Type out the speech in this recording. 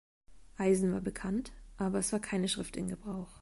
Eisen war bekannt, aber es war keine Schrift in Gebrauch.